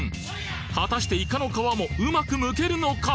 果たしてイカの皮もうまくむけるのか！？